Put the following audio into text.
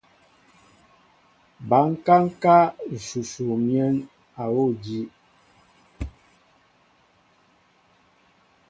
Ba kaŋ ká nshu miǝn awuŭ àjii.